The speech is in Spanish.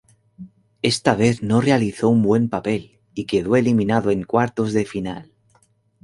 Esta vez no realizó un buen papel y quedó eliminado en cuartos de final.